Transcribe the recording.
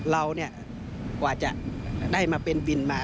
เราเนี่ยกว่าจะได้มาเป็นบินมา